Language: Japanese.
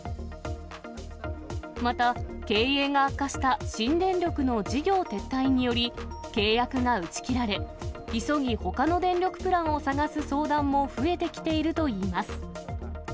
また、経営が悪化した新電力の事業撤退により、契約が打ち切られ、急ぎほかの電力プランを探す相談も増えてきているといいます。